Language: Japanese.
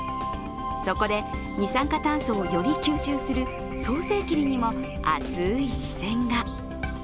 そこで二酸化炭素をより吸収する早生桐にも熱い視線が。